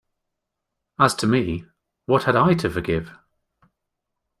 As to me, what had I to forgive?